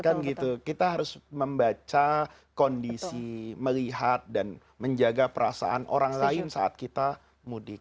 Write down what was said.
kan gitu kita harus membaca kondisi melihat dan menjaga perasaan orang lain saat kita mudik